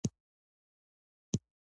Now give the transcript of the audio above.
خوشالي نمانځي